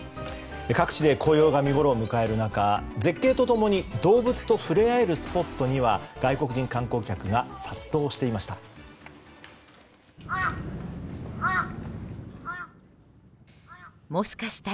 各地で紅葉が見ごろを迎える中絶景と共に動物と触れ合えるスポットには外国人観光客が殺到していました。